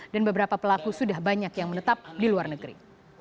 dan beberapa pelaku sudah banyak yang menetap di luar negeri